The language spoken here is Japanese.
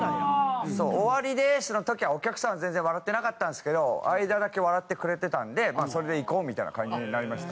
「終わりです！」の時はお客さんは全然笑ってなかったんですけど相田だけ笑ってくれてたんでそれでいこうみたいな感じになりました。